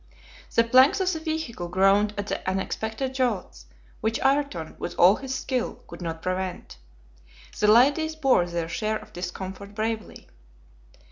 The planks of the vehicle groaned at the unexpected jolts, which Ayrton with all his skill could not prevent. The ladies bore their share of discomfort bravely.